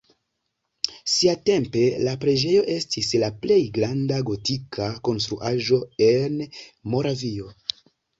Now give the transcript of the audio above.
Siatempe la preĝejo estis la plej granda gotika konstruaĵo en Moravio.